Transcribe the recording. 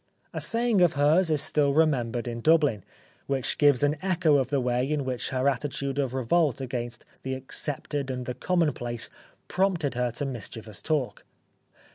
A saying of hers is still remembered in Dubhn, which gives an echo of the way in which her attitude of revolt against the accepted and the commonplace prompted her to mischievous talk.